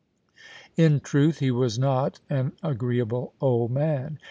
In truth, he was not an agreeable old man.